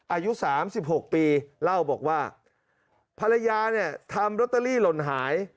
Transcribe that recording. อายุ๓๖ปีเล่าบอกว่าภรรยาเนี่ยทำลอตเตอรี่หล่นหาย